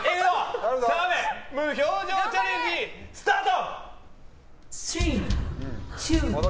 澤部無表情チャレンジ、スタート。